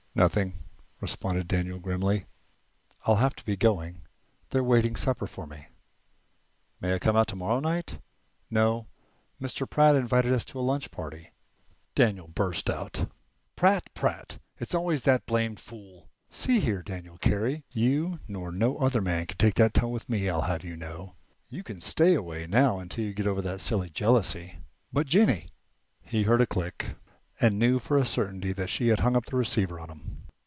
"Nothing," responded Daniel, grimly. "I'll have to be going. They're waiting supper for me." "May I come out tomorrow night?" "No, Mr. Pratt has invited us to a launch party." Daniel burst out: "Pratt! Pratt! It's always that blamed fool!" "See here, Daniel Carey, you nor no other man can take that tone with me, I'll have you know. You can stay away now until you get over that silly jealousy." "But, Jennie" He heard a click, and knew for a certainty that she had hung up the receiver on him.